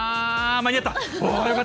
間に合った。